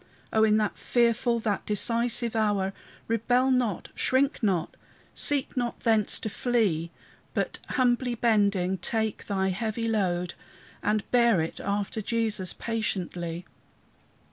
O in that fearful, that decisive hour, Rebel not, shrink not, seek not thence to flee, But, humbly bending, take thy heavy load, And bear it after Jesus patiently.